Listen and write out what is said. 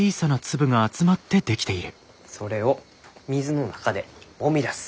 それを水の中でもみ出す。